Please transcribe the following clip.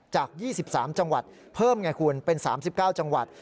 จาก๒๓จังหวัดเพิ่มไงคุณเป็น๓๙จังหวัด